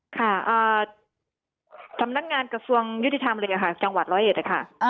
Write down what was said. ค่ะสำนักงานกระทรวงยุติธรรมเลยค่ะจังหวัดร้อยเอ็ดนะคะ